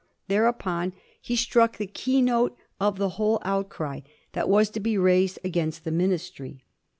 Thereupon he struck the key note of the whole outcry that was to be raised against the Ministry.